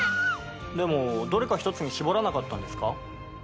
でもどれか一つに絞らなかったんですか？